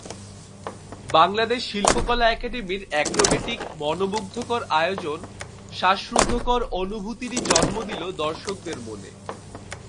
বাংলাদেশ শিল্পকলা একাডেমির অ্যাক্রোবেটিক মনোমুগ্ধকর আয়োজন শ্বাসরুদ্ধকর অনুভূতিরই জন্ম দিল দর্শকদের মনে।